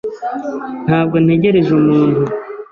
Ntabwo ntegereje umuntu.